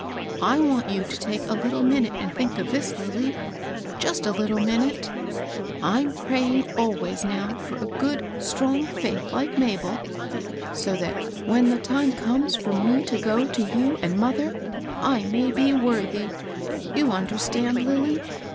I want you to take a little minute and think of this, Lilly, —just a little minute. I'm praying always now for a good,^ «»ixow^Sssji^'^^^^ 432 MABEL ROSS. Mabel ; so that when the. time comes for me to go to you and mother, I may be worthy^ — you under stand, Lilly